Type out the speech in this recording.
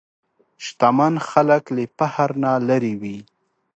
شتمن خلک له فخر نه لېرې وي.